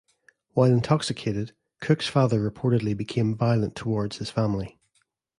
While intoxicated, Cook's father reportedly became violent towards his family.